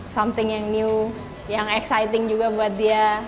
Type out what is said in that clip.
something yang new yang exciting juga buat dia